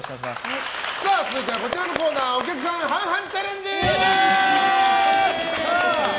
続いてはこちらのコーナーお客さん半々チャレンジ！